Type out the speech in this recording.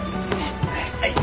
はい！